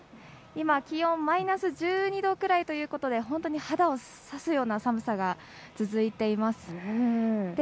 今、気温マイナス１２度くらいということで本当に肌を刺すような寒さが続いています。